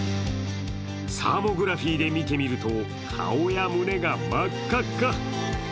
サーモグラフィーで見てみると、顔や胸が真っ赤っか。